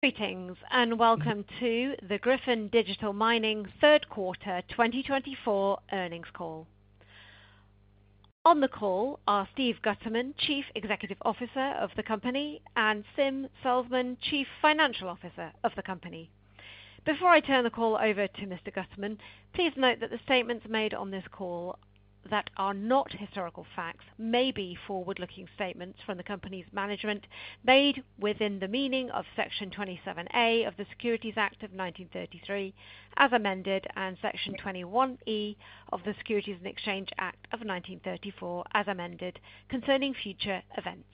Greetings and welcome to the Gryphon Digital Mining third quarter 2024 earnings call. On the call are Steve Gutterman, Chief Executive Officer of the company, and Sim Salzman, Chief Financial Officer of the company. Before I turn the call over to Mr. Gutterman, please note that the statements made on this call that are not historical facts may be forward-looking statements from the company's management made within the meaning of Section 27A of the Securities Act of 1933, as amended, and Section 21E of the Securities and Exchange Act of 1934, as amended, concerning future events.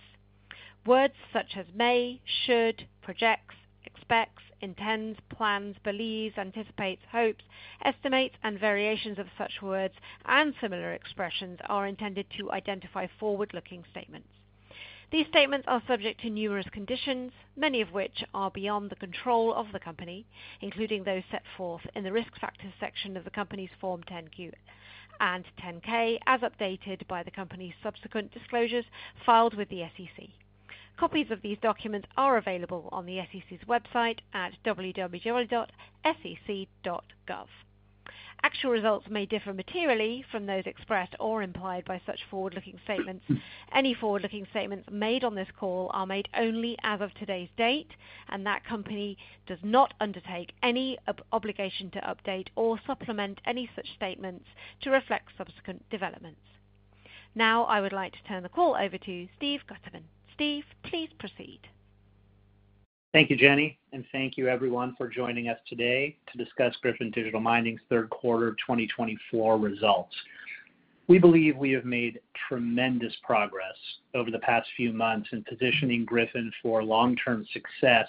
Words such as may, should, projects, expects, intends, plans, believes, anticipates, hopes, estimates, and variations of such words and similar expressions are intended to identify forward-looking statements. These statements are subject to numerous conditions, many of which are beyond the control of the company, including those set forth in the risk factors section of the company's Form 10-Q and 10-K, as updated by the company's subsequent disclosures filed with the SEC. Copies of these documents are available on the SEC's website at www.sec.gov. Actual results may differ materially from those expressed or implied by such forward-looking statements. Any forward-looking statements made on this call are made only as of today's date, and the company does not undertake any obligation to update or supplement any such statements to reflect subsequent developments. Now, I would like to turn the call over to Steve Gutterman. Steve, please proceed. Thank you, Jenny, and thank you, everyone, for joining us today to discuss Gryphon Digital Mining's third quarter 2024 results. We believe we have made tremendous progress over the past few months in positioning Gryphon for long-term success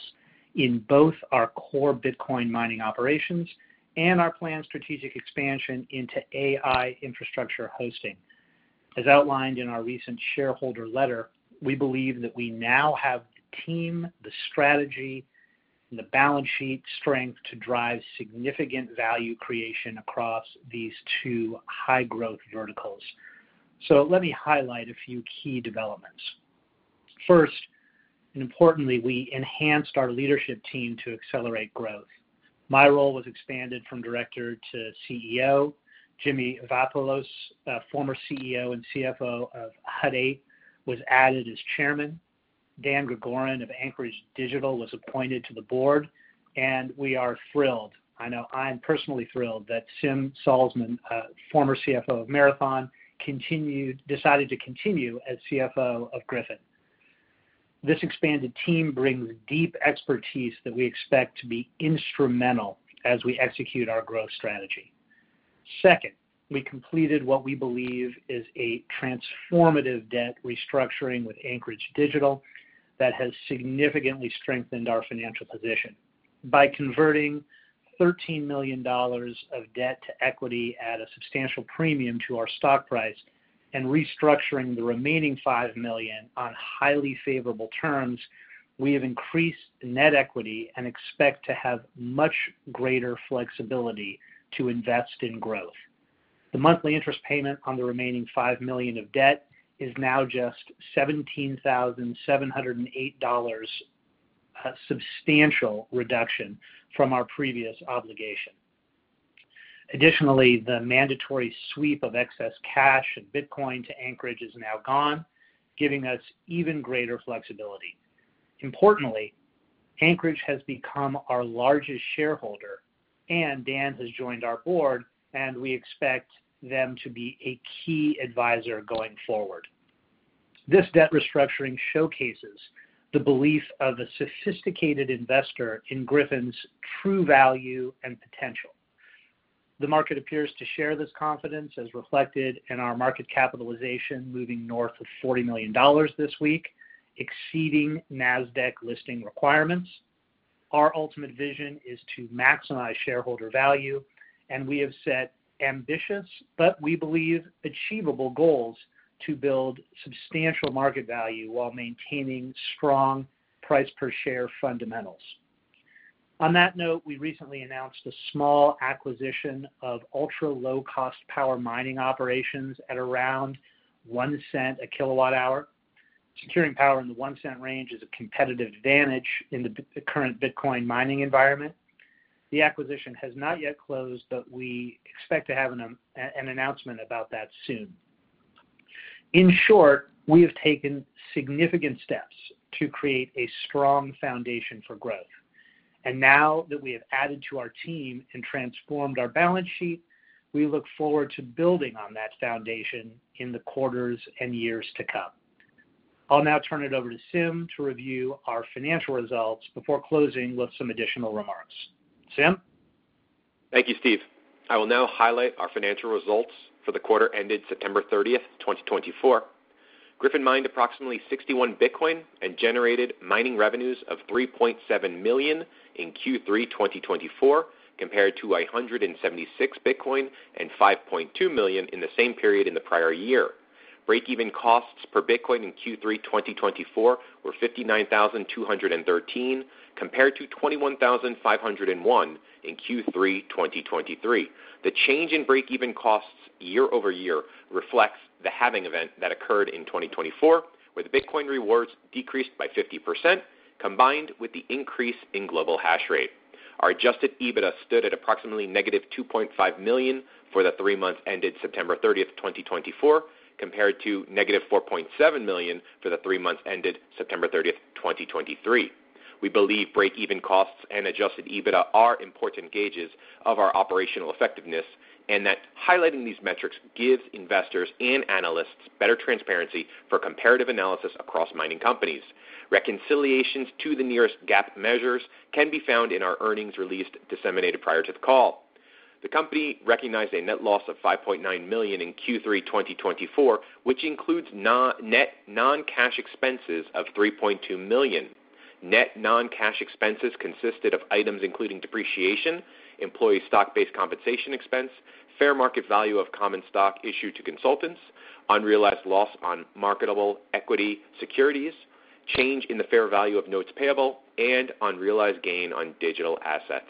in both our core Bitcoin mining operations and our planned strategic expansion into AI infrastructure hosting. As outlined in our recent shareholder letter, we believe that we now have the team, the strategy, and the balance sheet strength to drive significant value creation across these two high-growth verticals. So let me highlight a few key developments. First, and importantly, we enhanced our leadership team to accelerate growth. My role was expanded from Director to CEO. Jimmy Vaiopoulos, former CEO and CFO of Hut 8, was added as Chairman. Dan DiGregorio of Anchorage Digital was appointed to the board, and we are thrilled, I know I'm personally thrilled, that Sim Salzman, former CFO of Marathon, decided to continue as CFO of Gryphon. This expanded team brings deep expertise that we expect to be instrumental as we execute our growth strategy. Second, we completed what we believe is a transformative debt restructuring with Anchorage Digital that has significantly strengthened our financial position. By converting $13 million of debt to equity at a substantial premium to our stock price and restructuring the remaining $5 million on highly favorable terms, we have increased net equity and expect to have much greater flexibility to invest in growth. The monthly interest payment on the remaining $5 million of debt is now just $17,708, a substantial reduction from our previous obligation. Additionally, the mandatory sweep of excess cash and Bitcoin to Anchorage is now gone, giving us even greater flexibility. Importantly, Anchorage has become our largest shareholder, and Dan has joined our board, and we expect them to be a key advisor going forward. This debt restructuring showcases the belief of a sophisticated investor in Gryphon's true value and potential. The market appears to share this confidence, as reflected in our market capitalization moving North of $40 million this week, exceeding Nasdaq listing requirements. Our ultimate vision is to maximize shareholder value, and we have set ambitious but, we believe, achievable goals to build substantial market value while maintaining strong price-per-share fundamentals. On that note, we recently announced a small acquisition of ultra-low-cost power mining operations at around $0.01 a kWh. Securing power in the $0.01 range is a competitive advantage in the current Bitcoin mining environment. The acquisition has not yet closed, but we expect to have an announcement about that soon. In short, we have taken significant steps to create a strong foundation for growth, and now that we have added to our team and transformed our balance sheet, we look forward to building on that foundation in the quarters and years to come. I'll now turn it over to Sim to review our financial results before closing with some additional remarks. Sim? Thank you, Steve. I will now highlight our financial results for the quarter ended September 30th 2024. Gryphon mined approximately 61 Bitcoin and generated mining revenues of $3.7 million in Q3 2024, compared to 176 Bitcoin and $5.2 million in the same period in the prior year. Break-even costs per Bitcoin in Q3 2024 were $59,213, compared to $21,501 in Q3 2023. The change in break-even costs year over year reflects the halving event that occurred in 2024, where the Bitcoin rewards decreased by 50%, combined with the increase in global hash rate. Our adjusted EBITDA stood at approximately -$2.5 million for the three months ended September 30th 2024, compared to -$4.7 million for the three months ended September 30th 2023. We believe break-even costs and Adjusted EBITDA are important gauges of our operational effectiveness and that highlighting these metrics gives investors and analysts better transparency for comparative analysis across mining companies. Reconciliations to the nearest GAAP measures can be found in our earnings release disseminated prior to the call. The company recognized a net loss of $5.9 million in Q3 2024, which includes net non-cash expenses of $3.2 million. Net non-cash expenses consisted of items including depreciation, employee stock-based compensation expense, fair market value of common stock issued to consultants, unrealized loss on marketable equity securities, change in the fair value of notes payable, and unrealized gain on digital assets.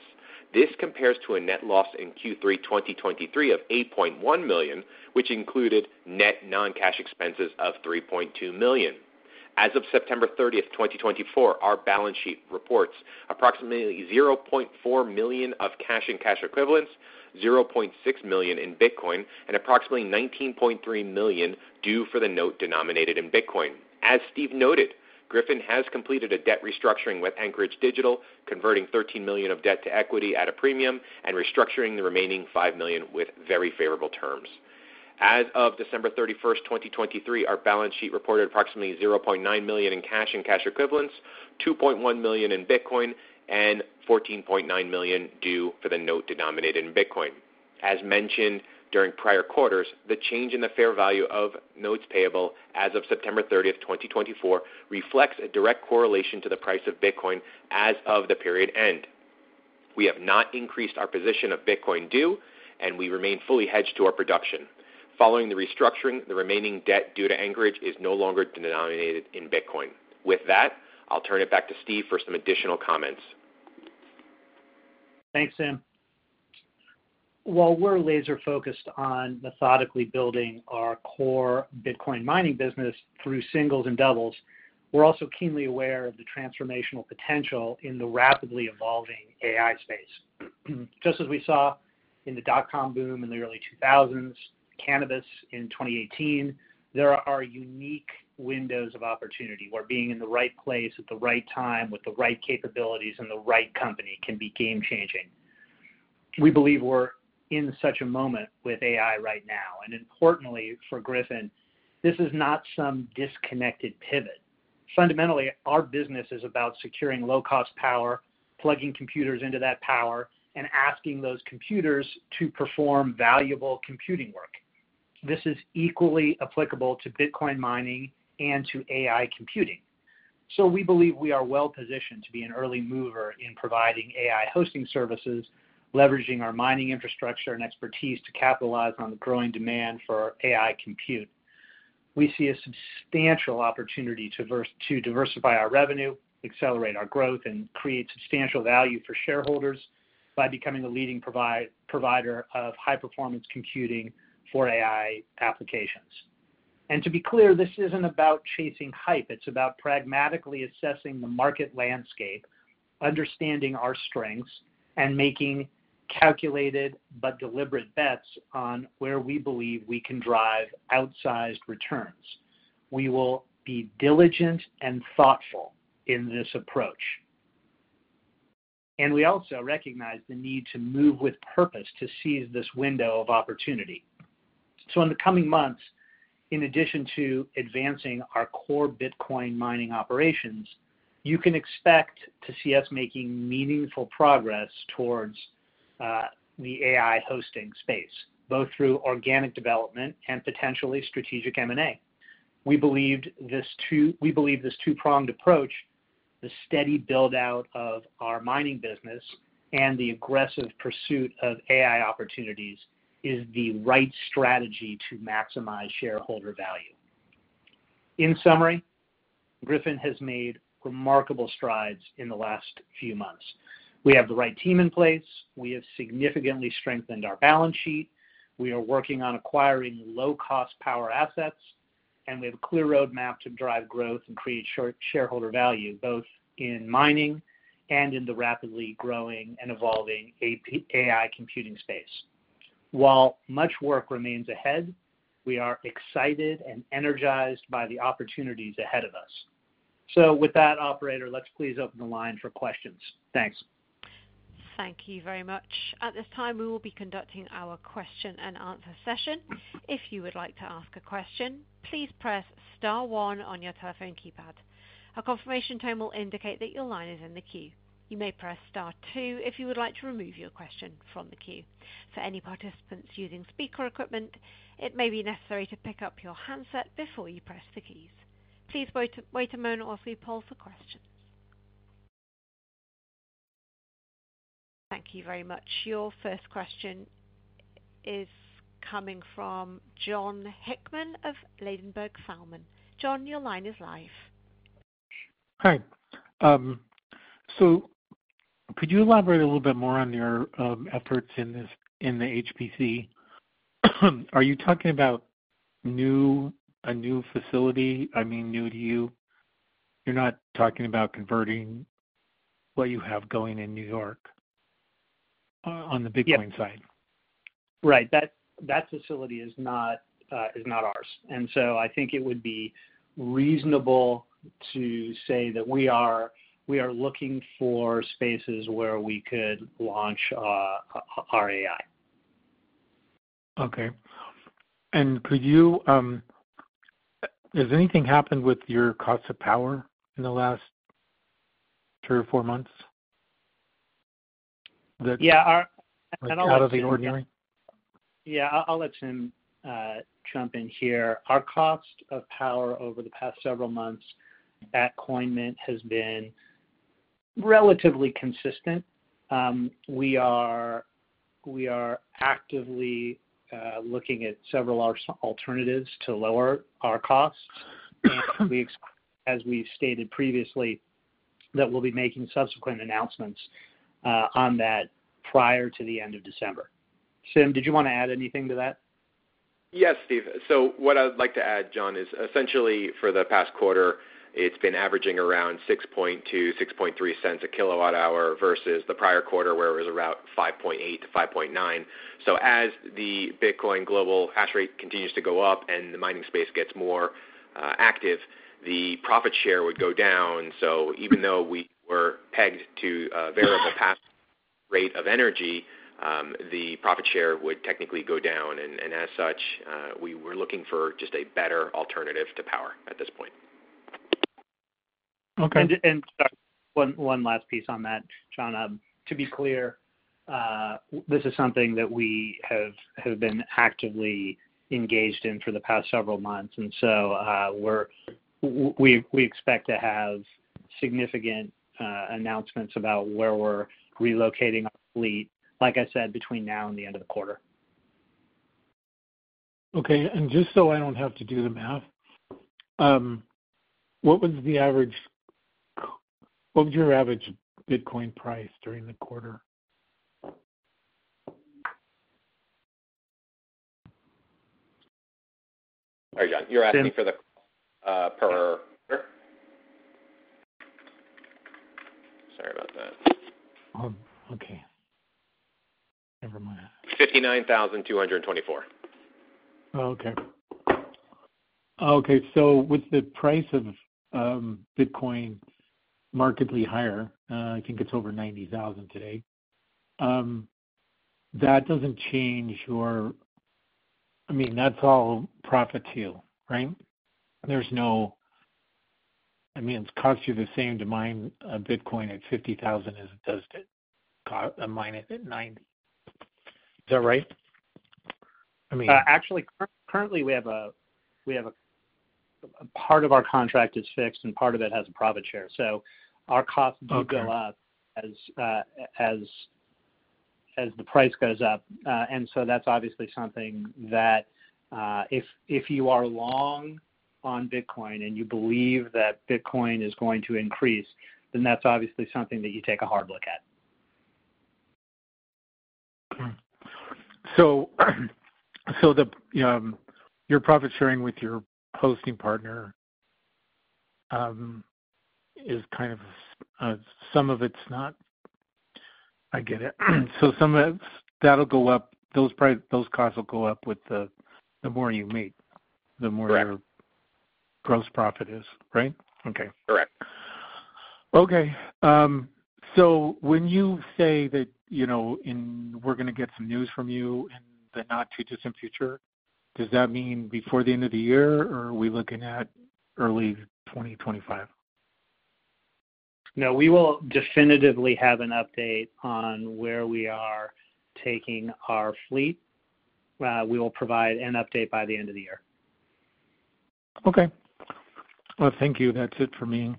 This compares to a net loss in Q3 2023 of $8.1 million, which included net non-cash expenses of $3.2 million. As of September 30th 2024, our balance sheet reports approximately $0.4 million of cash and cash equivalents, $0.6 million in Bitcoin, and approximately $19.3 million due for the note denominated in Bitcoin. As Steve noted, Gryphon has completed a debt restructuring with Anchorage Digital, converting $13 million of debt to equity at a premium and restructuring the remaining $5 million with very favorable terms. As of December 31st 2023, our balance sheet reported approximately $0.9 million in cash and cash equivalents, $2.1 million in Bitcoin, and $14.9 million due for the note denominated in Bitcoin. As mentioned during prior quarters, the change in the fair value of notes payable as of September 30th 2024, reflects a direct correlation to the price of Bitcoin as of the period end. We have not increased our position of Bitcoin due, and we remain fully hedged to our production. Following the restructuring, the remaining debt due to Anchorage is no longer denominated in Bitcoin. With that, I'll turn it back to Steve for some additional comments. Thanks, Sim. While we're laser-focused on methodically building our core Bitcoin mining business through singles and doubles, we're also keenly aware of the transformational potential in the rapidly evolving AI space. Just as we saw in the dot-com boom in the early 2000s, cannabis in 2018, there are unique windows of opportunity where being in the right place at the right time with the right capabilities and the right company can be game-changing. We believe we're in such a moment with AI right now. And importantly for Gryphon, this is not some disconnected pivot. Fundamentally, our business is about securing low-cost power, plugging computers into that power, and asking those computers to perform valuable computing work. This is equally applicable to Bitcoin mining and to AI computing. We believe we are well-positioned to be an early mover in providing AI hosting services, leveraging our mining infrastructure and expertise to capitalize on the growing demand for AI compute. We see a substantial opportunity to diversify our revenue, accelerate our growth, and create substantial value for shareholders by becoming a leading provider of high-performance computing for AI applications. To be clear, this isn't about chasing hype. It's about pragmatically assessing the market landscape, understanding our strengths, and making calculated but deliberate bets on where we believe we can drive outsized returns. We will be diligent and thoughtful in this approach. We also recognize the need to move with purpose to seize this window of opportunity. In the coming months, in addition to advancing our core Bitcoin mining operations, you can expect to see us making meaningful progress towards the AI hosting space, both through organic development and potentially strategic M&A. We believe this two-pronged approach, the steady build-out of our mining business, and the aggressive pursuit of AI opportunities is the right strategy to maximize shareholder value. In summary, Gryphon has made remarkable strides in the last few months. We have the right team in place. We have significantly strengthened our balance sheet. We are working on acquiring low-cost power assets, and we have a clear roadmap to drive growth and create shareholder value both in mining and in the rapidly growing and evolving AI computing space. While much work remains ahead, we are excited and energized by the opportunities ahead of us. With that, Operator, let's please open the line for questions. Thanks. Thank you very much. At this time, we will be conducting our question-and-answer session. If you would like to ask a question, please press star one on your telephone keypad. A confirmation tone will indicate that your line is in the queue. You may press star two if you would like to remove your question from the queue. For any participants using speaker equipment, it may be necessary to pick up your handset before you press the keys. Please wait a moment while we poll for questions. Thank you very much. Your first question is coming from Jon Hickman of Ladenburg Thalmann. Jon, your line is live. Hi. So could you elaborate a little bit more on your efforts in the HPC? Are you talking about a new facility? I mean, new to you? You're not talking about converting what you have going in New York on the Bitcoin side? Right. That facility is not ours. And so I think it would be reasonable to say that we are looking for spaces where we could launch our AI. Okay. And has anything happened with your cost of power in the last three or four months? Yeah. Out of the ordinary? Yeah. I'll let Sim jump in here. Our cost of power over the past several months at Coinmint has been relatively consistent. We are actively looking at several alternatives to lower our costs. As we stated previously, that we'll be making subsequent announcements on that prior to the end of December. Sim, did you want to add anything to that? Yes, Steve. So what I'd like to add, Jon, is essentially for the past quarter, it's been averaging around $0.062-$0.063 per kWh versus the prior quarter where it was around $0.058-$0.059. So as the Bitcoin global hash rate continues to go up and the mining space gets more active, the profit share would go down. So even though we were pegged to a variable power rate of energy, the profit share would technically go down. And as such, we were looking for just a better alternative to power at this point. And one last piece on that, Jon. To be clear, this is something that we have been actively engaged in for the past several months. And so we expect to have significant announcements about where we're relocating our fleet, like I said, between now and the end of the quarter. Okay. And just so I don't have to do the math, what was your average Bitcoin price during the quarter? All right, Jon. You're asking for the cost per quarter? Sorry about that. Okay. Never mind. 59,224. Okay. So with the price of Bitcoin markedly higher, I think it's over $90,000 today, that doesn't change your—I mean, that's all profit to you, right? I mean, it costs you the same to mine a Bitcoin at $50,000 as it does to mine it at $90. Is that right? Actually, currently, we have a part of our contract is fixed and part of it has a profit share. So our costs do go up as the price goes up. And so that's obviously something that if you are long on Bitcoin and you believe that Bitcoin is going to increase, then that's obviously something that you take a hard look at. Okay. So your profit sharing with your hosting partner is kind of some of it's not, I get it. So some of that'll go up. Those costs will go up with the more you make, the more your gross profit is, right? Okay. Correct. Okay. So when you say that we're going to get some news from you in the not too distant future, does that mean before the end of the year or are we looking at early 2025? No, we will definitively have an update on where we are taking our fleet. We will provide an update by the end of the year. Okay. Well, thank you. That's it for me.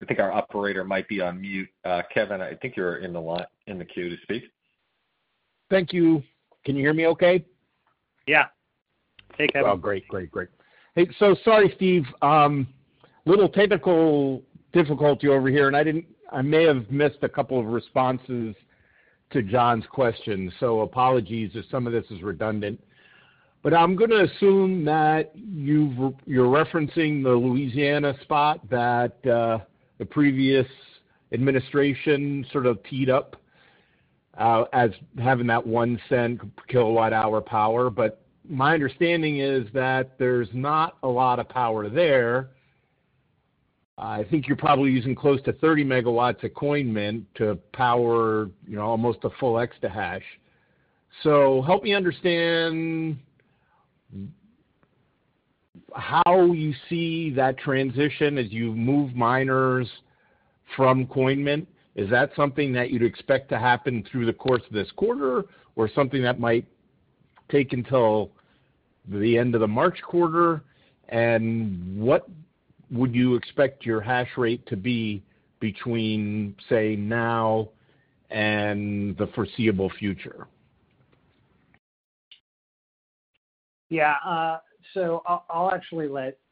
I think our operator might be on mute. Kevin, I think you're in the queue to speak. Thank you. Can you hear me okay? Yeah. Hey, Kevin. Oh, great, great, great. Hey, so sorry, Steve. A little technical difficulty over here, and I may have missed a couple of responses to Jon's questions, so apologies if some of this is redundant, but I'm going to assume that you're referencing the Louisiana spot that the previous administration sort of teed up as having that $0.01 kWh power, but my understanding is that there's not a lot of power there. I think you're probably using close to 30 MW at Coinmint to power almost a full exahash. So help me understand how you see that transition as you move miners from Coinmint. Is that something that you'd expect to happen through the course of this quarter or something that might take until the end of the March quarter? And what would you expect your hash rate to be between, say, now and the foreseeable future? Yeah. So I'll actually let Sim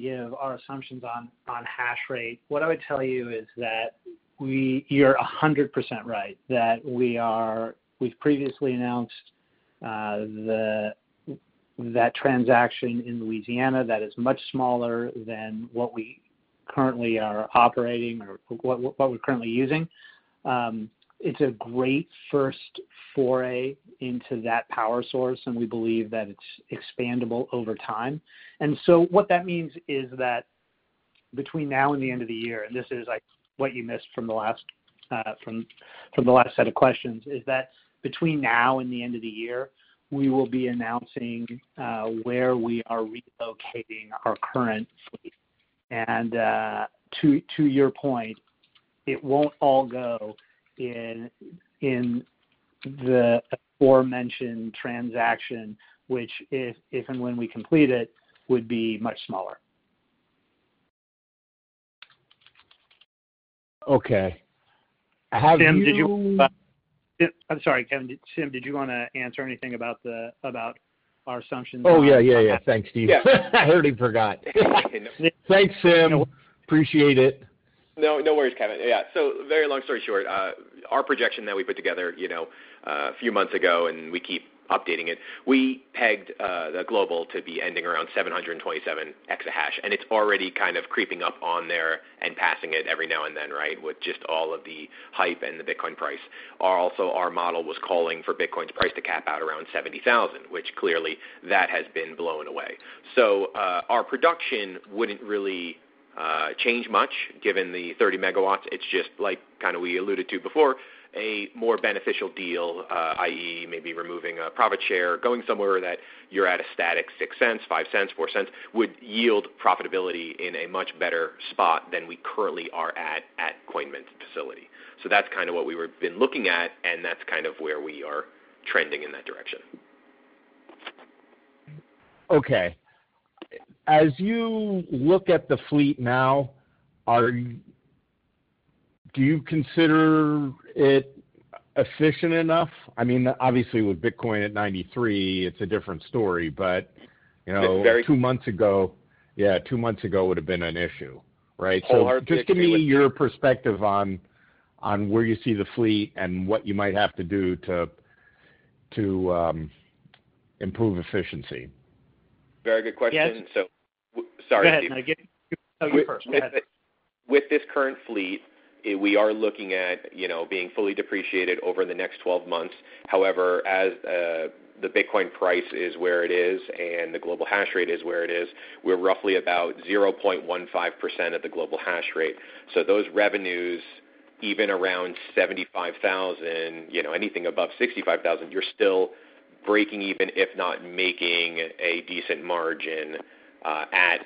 give our assumptions on hash rate. What I would tell you is that you're 100% right that we've previously announced that transaction in Louisiana that is much smaller than what we currently are operating or what we're currently using. It's a great first foray into that power source, and we believe that it's expandable over time. And so what that means is that between now and the end of the year, and this is what you missed from the last set of questions, is that between now and the end of the year, we will be announcing where we are relocating our current fleet. And to your point, it won't all go in the aforementioned transaction, which if and when we complete it, would be much smaller. Okay. Sim, did you? I'm sorry, Kevin. Sim, did you want to answer anything about our assumptions? Oh, yeah, yeah, yeah. Thanks, Steve. I already forgot. Thanks, Sim. Appreciate it. No worries, Kevin. Yeah. So very long story short, our projection that we put together a few months ago, and we keep updating it, we pegged the global to be ending around 727 exahash. And it's already kind of creeping up on there and passing it every now and then, right, with just all of the hype and the Bitcoin price. Also, our model was calling for Bitcoin's price to cap out around $70,000, which clearly that has been blown away. So our production wouldn't really change much given the 30 MW. It's just like kind of we alluded to before, a more beneficial deal, i.e., maybe removing a profit share, going somewhere that you're at a static $0.06, $0.05, $0.04, would yield profitability in a much better spot than we currently are at Coinmint facility. So that's kind of what we've been looking at, and that's kind of where we are trending in that direction. Okay. As you look at the fleet now, do you consider it efficient enough? I mean, obviously, with Bitcoin at 93, it's a different story. But two months ago, yeah, two months ago would have been an issue, right? So just give me your perspective on where you see the fleet and what you might have to do to improve efficiency. Very good question. So sorry. Yeah. No, you go first. With this current fleet, we are looking at being fully depreciated over the next 12 months. However, as the Bitcoin price is where it is and the global hash rate is where it is, we're roughly about 0.15% of the global hash rate. So those revenues, even around $75,000, anything above $65,000, you're still breaking even, if not making a decent margin at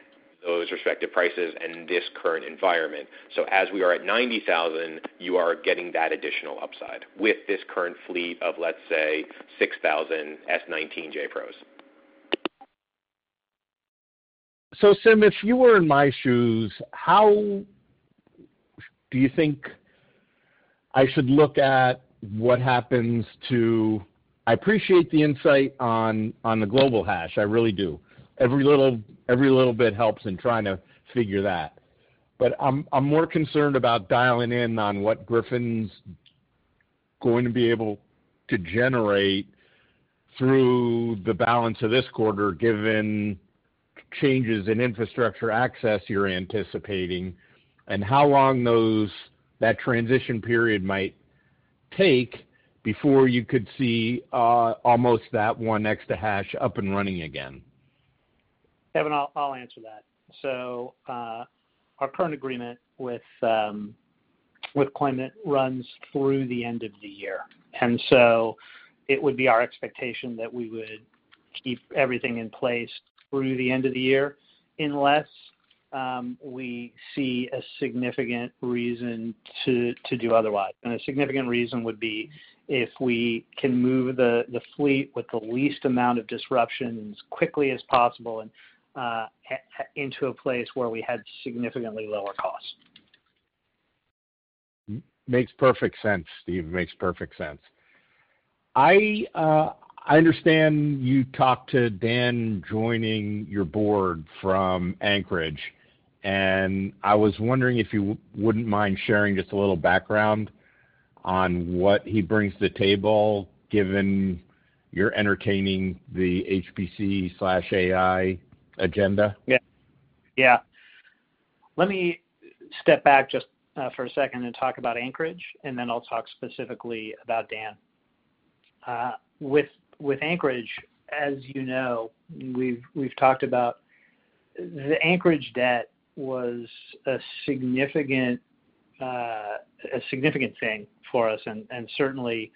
those respective prices in this current environment. So as we are at $90,000, you are getting that additional upside with this current fleet of, let's say, 6,000 S19J Pros. So Sim, if you were in my shoes, how do you think I should look at what happens to. I appreciate the insight on the global hash. I really do. Every little bit helps in trying to figure that. But I'm more concerned about dialing in on what Gryphon's going to be able to generate through the balance of this quarter, given changes in infrastructure access you're anticipating, and how long that transition period might take before you could see almost that one exahash up and running again. Kevin, I'll answer that, so our current agreement with Coinmint runs through the end of the year, and so it would be our expectation that we would keep everything in place through the end of the year unless we see a significant reason to do otherwise, and a significant reason would be if we can move the fleet with the least amount of disruption as quickly as possible and into a place where we had significantly lower costs. Makes perfect sense, Steve. Makes perfect sense. I understand you talked to Dan joining your board from Anchorage, and I was wondering if you wouldn't mind sharing just a little background on what he brings to the table, given you're entertaining the HPC/AI agenda. Yeah. Yeah. Let me step back just for a second and talk about Anchorage, and then I'll talk specifically about Dan. With Anchorage, as you know, we've talked about the Anchorage debt was a significant thing for us. And certainly,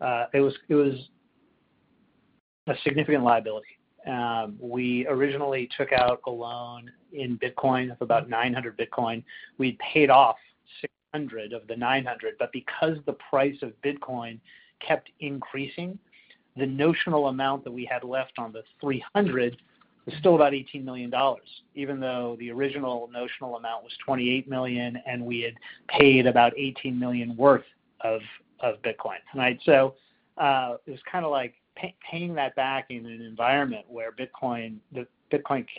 it was a significant liability. We originally took out a loan in Bitcoin of about 900 Bitcoin. We paid off 600 of the 900. But because the price of Bitcoin kept increasing, the notional amount that we had left on the 300 was still about $18 million, even though the original notional amount was $28 million, and we had paid about $18 million worth of Bitcoin. So it was kind of like paying that back in an environment where Bitcoin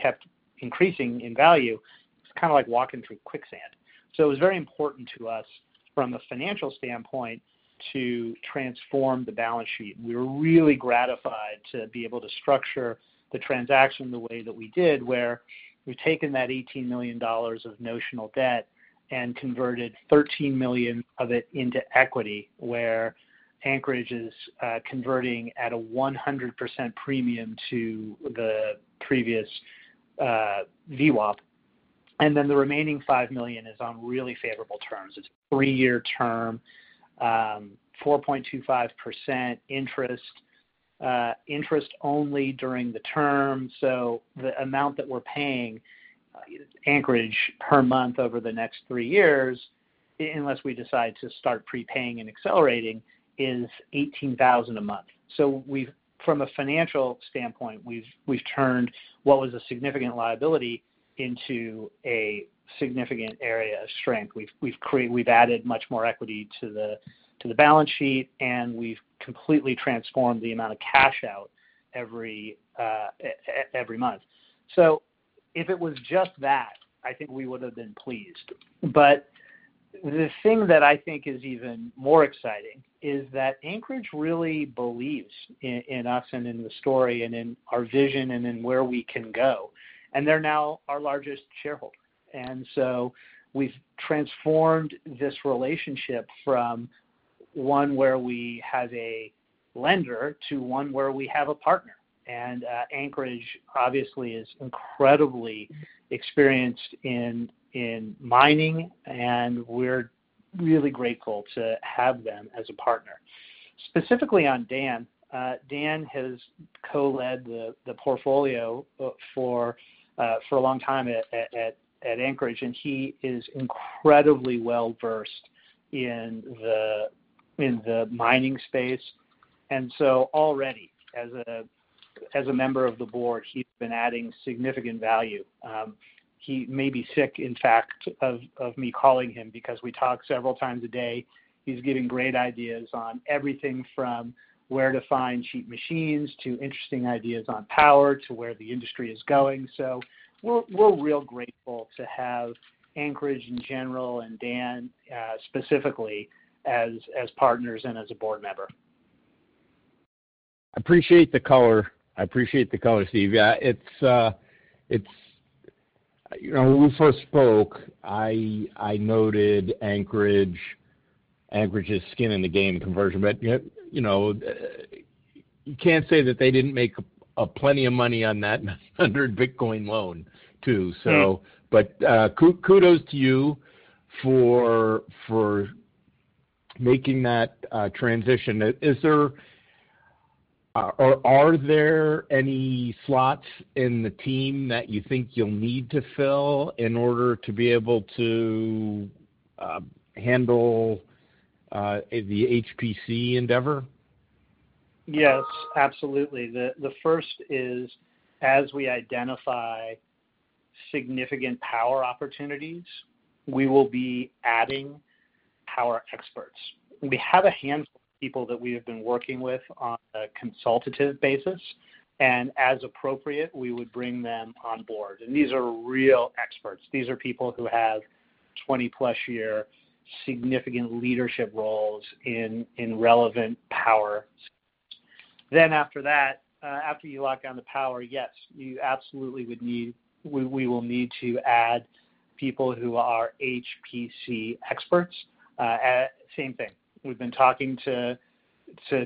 kept increasing in value. It's kind of like walking through quicksand. So it was very important to us from a financial standpoint to transform the balance sheet. We were really gratified to be able to structure the transaction the way that we did, where we've taken that $18 million of notional debt and converted $13 million of it into equity, where Anchorage is converting at a 100% premium to the previous VWAP. And then the remaining $5 million is on really favorable terms. It's a three-year term, 4.25% interest, interest only during the term. So the amount that we're paying Anchorage per month over the next three years, unless we decide to start prepaying and accelerating, is $18,000 a month. So from a financial standpoint, we've turned what was a significant liability into a significant area of strength. We've added much more equity to the balance sheet, and we've completely transformed the amount of cash out every month. So if it was just that, I think we would have been pleased. But the thing that I think is even more exciting is that Anchorage really believes in us and in the story and in our vision and in where we can go. And they're now our largest shareholder. And so we've transformed this relationship from one where we have a lender to one where we have a partner. And Anchorage, obviously, is incredibly experienced in mining, and we're really grateful to have them as a partner. Specifically on Dan, Dan has co-led the portfolio for a long time at Anchorage, and he is incredibly well-versed in the mining space. And so already, as a member of the board, he's been adding significant value. He may be sick, in fact, of me calling him because we talk several times a day. He's giving great ideas on everything from where to find cheap machines to interesting ideas on power to where the industry is going. So we're real grateful to have Anchorage in general and Dan specifically as partners and as a board member. I appreciate the color. I appreciate the color, Steve. When we first spoke, I noted Anchorage's skin in the game conversion. But you can't say that they didn't make plenty of money on that 900 Bitcoin loan too. But kudos to you for making that transition. Are there any slots in the team that you think you'll need to fill in order to be able to handle the HPC endeavor? Yes, absolutely. The first is, as we identify significant power opportunities, we will be adding power experts. We have a handful of people that we have been working with on a consultative basis, and as appropriate, we would bring them on board. And these are real experts. These are people who have 20+ year significant leadership roles in relevant power space. Then after that, after you lock down the power, yes, you absolutely would need. We will need to add people who are HPC experts. Same thing. We've been talking to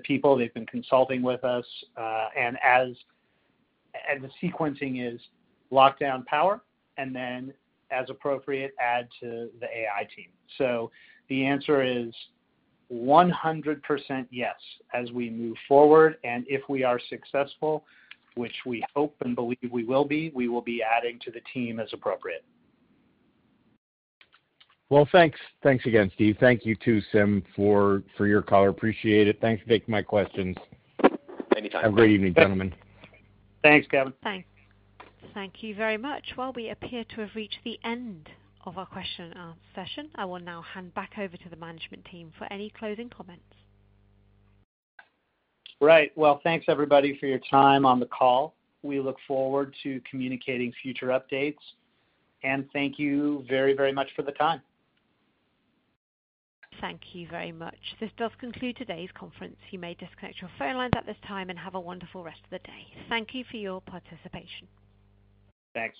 people. They've been consulting with us. And the sequencing is lock down power, and then as appropriate, add to the AI team. So the answer is 100% yes as we move forward. And if we are successful, which we hope and believe we will be, we will be adding to the team as appropriate. Thanks. Thanks again, Steve. Thank you too, Sim, for your call. I appreciate it. Thanks for taking my questions. Anytime. Have a great evening, gentlemen. Thanks, Kevin. Thanks. Thank you very much. Well, we appear to have reached the end of our question and answer session. I will now hand back over to the management team for any closing comments. Right. Well, thanks, everybody, for your time on the call. We look forward to communicating future updates. And thank you very, very much for the time. Thank you very much. This does conclude today's conference. You may disconnect your phone lines at this time and have a wonderful rest of the day. Thank you for your participation. Thanks.